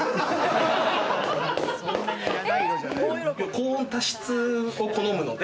高温多湿を好むので。